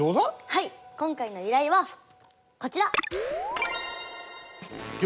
はい今回の依頼はこちら！